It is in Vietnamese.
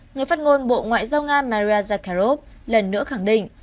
người phát ngôn bộ ngoại giao nga maria zakharov lần nữa khẳng định